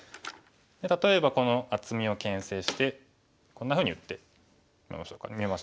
例えばこの厚みをけん制してこんなふうに打ってみましょうかね。